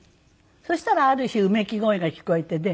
そしたらある日うめき声が聞こえて。